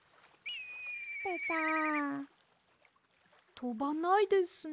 とばないですね。